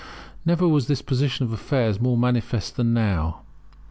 Never was this position of affairs more manifest than now.